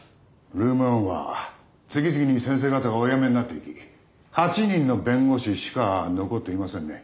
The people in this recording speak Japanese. ルーム１は次々に先生方がお辞めになっていき８人の弁護士しか残っていませんね。